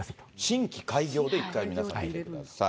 新規開業で一回皆さん、見てください。